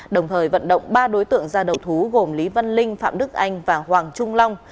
đồng thời vận động ba đối tượng ra đầu thú gồm lý văn linh phạm đức anh và hoàng trung long